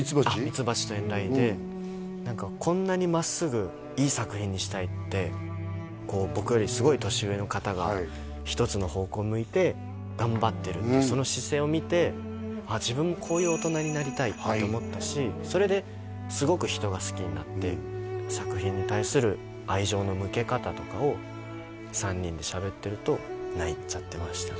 「蜜蜂と遠雷」で何かこんなに真っすぐいい作品にしたいって僕よりすごい年上の方が一つの方向向いて頑張ってるっていうその姿勢を見て自分もって思ったしそれですごく人が好きになって作品に対する愛情の向け方とかを３人でしゃべってると泣いちゃってましたね